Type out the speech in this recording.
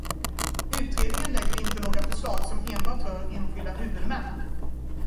Utredningen lägger inte några förslag som enbart rör enskilda huvudmän.